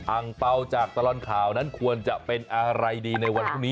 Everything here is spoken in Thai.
อังเปล่าจากตลอดข่าวนั้นควรจะเป็นอะไรดีในวันพรุ่งนี้